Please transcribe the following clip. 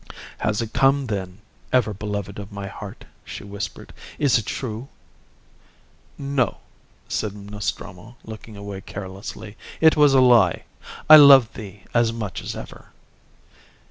"Has it come, then, ever beloved of my heart?" she whispered. "Is it true?" "No," said Nostromo, looking away carelessly. "It was a lie. I love thee as much as ever."